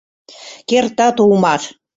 Кертат улмаш!